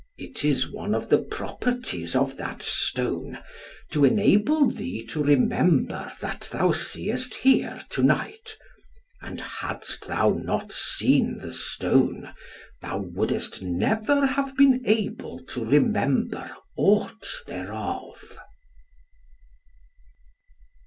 "It is one of the properties of that stone, to enable thee to remember that thou seest here to night, and hadst thou not seen the stone, thou wouldest never have been able to remember aught thereof."